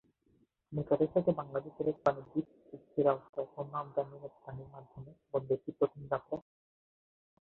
নেপালের সাথে বাংলাদেশের এক বাণিজ্য চুক্তির আওতায় পণ্য আমদানি-রপ্তানির মাধ্যমে বন্দরটি প্রথম যাত্রা শুরু করে।